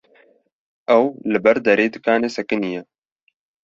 ew li ber derê dikanê sekiniye.